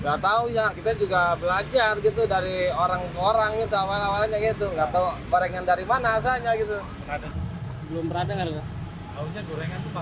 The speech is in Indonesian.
nggak tahu ya kita juga belajar gitu dari orang orang itu awalnya gitu nggak tahu